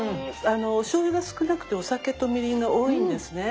あのおしょうゆが少なくてお酒とみりんが多いんですね。